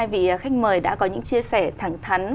vị khách mời đã có những chia sẻ thẳng thắn